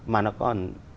mà nó còn